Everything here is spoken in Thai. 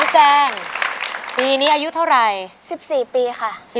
แจงปีนี้อายุเท่าไหร่๑๔ปีค่ะ